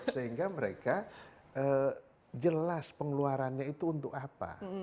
sehingga mereka jelas pengeluarannya itu untuk apa